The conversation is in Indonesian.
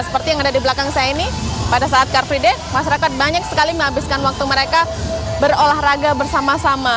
seperti yang ada di belakang saya ini pada saat car free day masyarakat banyak sekali menghabiskan waktu mereka berolahraga bersama sama